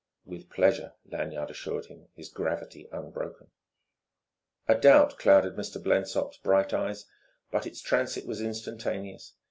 "With pleasure," Lanyard assured him, his gravity unbroken. A doubt clouded Mr. Blensop's bright eyes, but its transit was instantaneous.